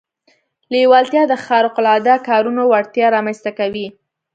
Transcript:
لېوالتیا د خارق العاده کارونو وړتيا رامنځته کوي.